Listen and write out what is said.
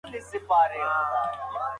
زده کوونکي له ډېر وخت راهیسې درسونه وایي.